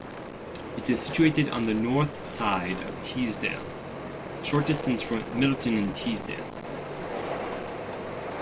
It is situated on the north side of Teesdale, a short distance from Middleton-in-Teesdale.